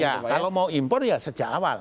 ya kalau mau impor ya sejak awal